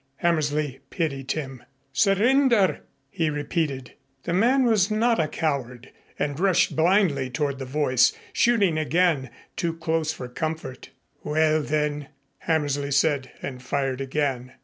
Hammersley pitied him. "Surrender!" he repeated. The man was not a coward and rushed blindly toward the voice, shooting again, too close for comfort. "Well, then " Hammersley said, and fired again.